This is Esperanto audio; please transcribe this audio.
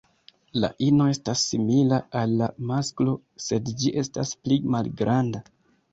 La ino estas simila al la masklo, sed ĝi estas pli malgranda.